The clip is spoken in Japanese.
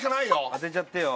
当てちゃってよ